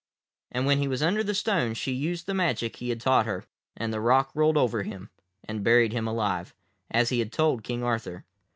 And when he was under the stone she used the magic he had taught her, and the rock rolled over him, and buried him alive, as he had told King Arthur.